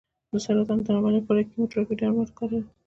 د سرطان د درملنې لپاره کیموتراپي درمل کارېږي.